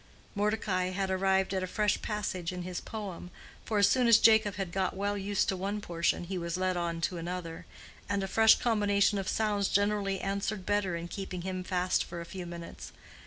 Mordecai had arrived at a fresh passage in his poem; for as soon as Jacob had got well used to one portion, he was led on to another, and a fresh combination of sounds generally answered better in keeping him fast for a few minutes.